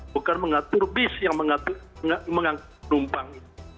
bukan mengatur bis yang mengangkut penumpang